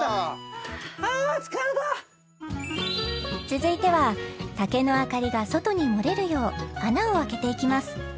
［続いては竹の明かりが外に漏れるよう穴を開けていきます］